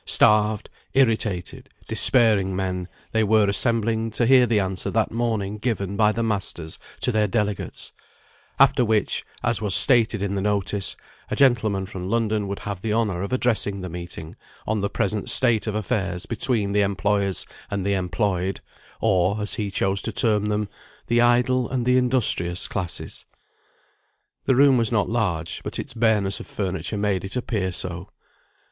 Starved, irritated, despairing men, they were assembling to hear the answer that morning given by the masters to their delegates; after which, as was stated in the notice, a gentleman from London would have the honour of addressing the meeting on the present state of affairs between the employers and the employed, or (as he chose to term them) the idle and the industrious classes. The room was not large, but its bareness of furniture made it appear so.